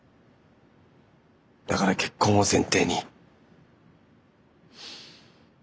だから結婚を前提に。